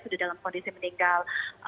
sudah dalam kondisi meninggal